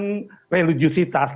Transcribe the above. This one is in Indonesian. dan juga mengubah kepentingan publik